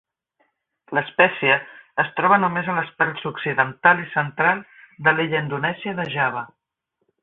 L'espècie es troba només a les parts occidental i central de l'illa indonèsia de Java.